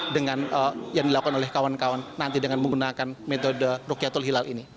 dengan yang dilakukan oleh kawan kawan nanti dengan menggunakan metode rukyatul hilal ini